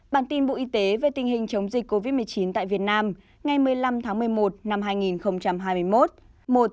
bản tin bộ y tế về tình hình chống dịch covid một mươi chín tại việt nam ngày một mươi năm tháng một mươi một năm hai nghìn hai mươi một